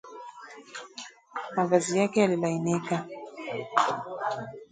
Mavazi yake yalilainika